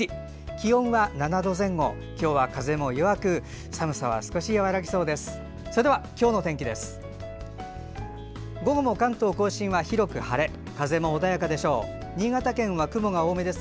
気温は７度前後今日は風も弱く寒さは少し和らぎそうです。